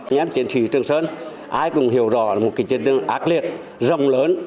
nhân chiến trị trường sơn ai cũng hiểu rõ là một kỳ chiến đấu ác liệt rộng lớn